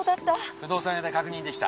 不動産屋で確認出来た。